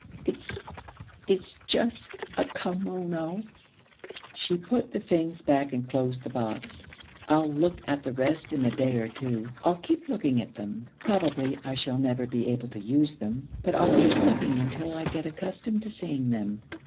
It's it's just a kimono.' She put the things back and closed the box. 'I'll look at the rest in a day or two. I'll keep looking at them. Probably I shall never be able to use them, but I'll keep looking until I get accustomed to seeing them.